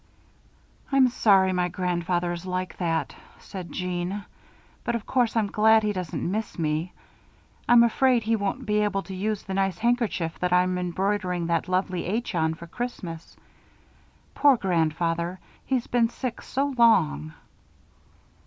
'" "I'm sorry my grandfather is like that," said Jeanne, "but of course I'm glad he doesn't miss me. I'm afraid he won't be able to use the nice handkerchief that I'm embroidering that lovely 'H' on for Christmas. Poor grandfather. He's been sick so long."